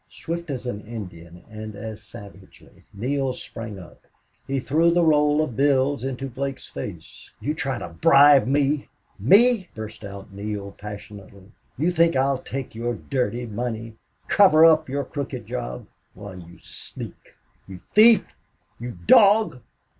Swift as an Indian, and as savagely, Neale sprang up. He threw the roll of bills into Blake's face. "You try to bribe me! ME!" burst out Neale, passionately. "You think I'll take your dirty money cover up your crooked job! Why, you sneak! You thief! You dog!"